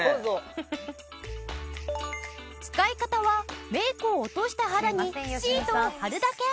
使い方はメイクを落とした肌にシートを貼るだけ。